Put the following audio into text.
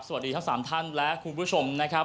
สวัสดีทั้ง๓ท่านและคุณผู้ชมนะครับ